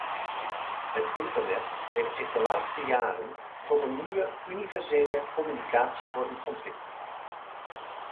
Het internet heeft zich de laatste jaren tot een nieuwe, universele communicatievorm ontwikkeld.